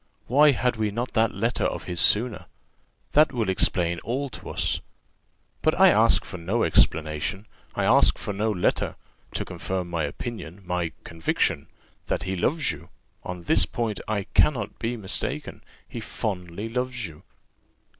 Why had we not that letter of his sooner? that will explain all to us: but I ask for no explanation, I ask for no letter, to confirm my opinion, my conviction that he loves you: on this point I cannot be mistaken he fondly loves you."